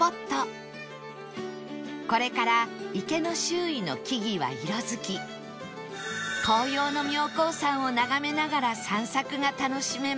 これから池の周囲の木々は色づき紅葉の妙高山を眺めながら散策が楽しめます